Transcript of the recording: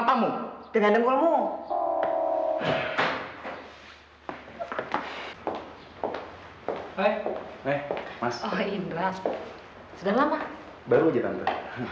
sampai jumpa di video selanjutnya